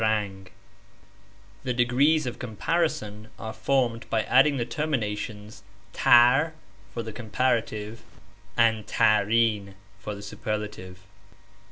56 The degrees of comparison are formed by adding the termina tion s^J tar for the comparative, and ^,5 tarln for the superlative.